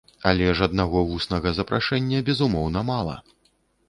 Але ж аднаго вуснага запрашэння, безумоўна, мала.